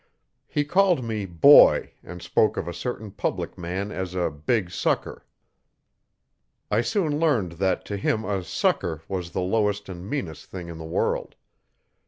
He called me 'boy' and spoke of a certain public man as a 'big sucker'. I soon learned that to him a 'sucker' was the lowest and meanest thing in the world.